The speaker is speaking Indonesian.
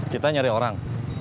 kita nyari orang